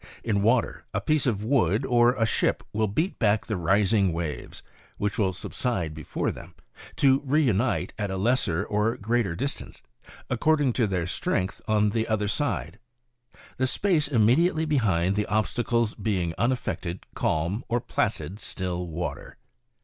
In water, a piece of wood or a ship will beat back the rising waves, which will subside before them, to reunite at a lesser or greater distance, according to their strength on the other side — the space immediately behind the obstacles being un affected, calm or placid still water.